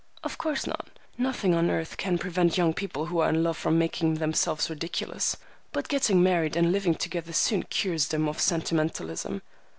"Of course not. Nothing on earth can prevent young people who are in love from making themselves ridiculous. But getting married and living together soon cures them of sentimentalism."